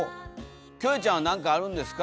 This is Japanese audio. キョエちゃんは何かあるんですか？